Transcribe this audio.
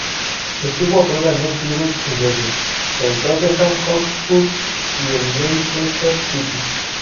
Estuvo a prueba en dos clubes ingleses: el Tottenham Hotspur y el Leicester City.